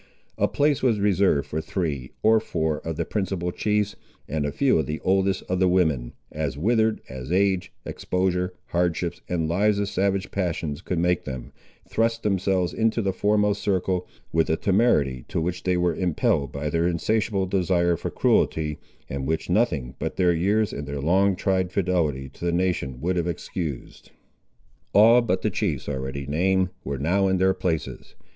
A place was reserved for three or four of the principal chiefs, and a few of the oldest of the women, as withered, as age, exposure, hardships, and lives of savage passions could make them, thrust themselves into the foremost circle, with a temerity, to which they were impelled by their insatiable desire for cruelty, and which nothing, but their years and their long tried fidelity to the nation, would have excused. All, but the chiefs already named, were now in their places.